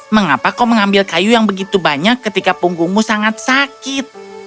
mengapa kau mengambil kayu yang begitu banyak ketika punggungmu sangat sakit